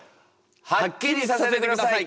はっきりさせてください！